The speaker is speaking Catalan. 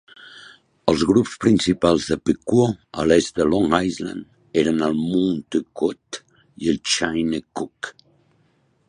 Els grups principals de Pequot a l'est de Long Island eren els Montaukett i els Shinnecock.